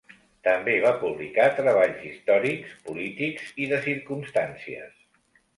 També va publicar treballs històrics, polítics, i de circumstàncies.